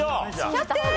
キャプテン！